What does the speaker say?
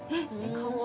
顔は？